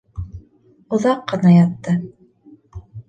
Оҙаҡ ҡына ятты.